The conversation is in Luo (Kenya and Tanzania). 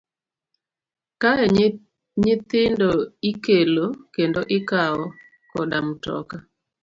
Kae nyithindo ikelo kendo ikawo koda matoka.